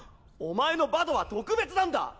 お前のバドは特別なんだ。